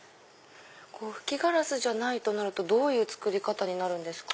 吹きガラスじゃないとなるとどういう作り方になるんですか？